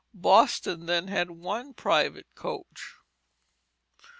Boston then had one private coach.